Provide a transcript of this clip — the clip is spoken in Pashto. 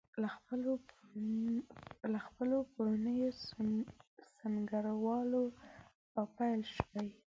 له خپلو پرونیو سنګروالو رابېل شوي.